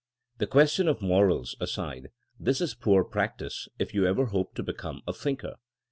The question of morals aside, this is poor practice if you ever hope to become a thinker.